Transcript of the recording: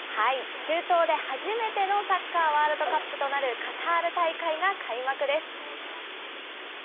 中東で初めてのサッカーワールドカップとなるカタール大会が開幕です。